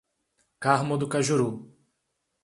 Carmo do Cajuru